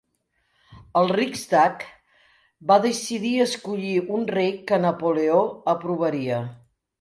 El Riksdag va decidir escollir un rei que Napoleó aprovaria.